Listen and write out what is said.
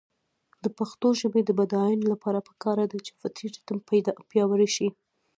د پښتو ژبې د بډاینې لپاره پکار ده چې فطري ریتم پیاوړی شي.